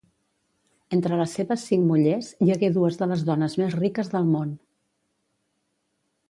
Entre les seves cinc mullers, hi hagué dues de les dones més riques del món.